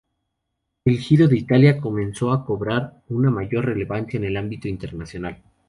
El Giro de Italia comenzó a cobrar una mayor relevancia en el ámbito internacional.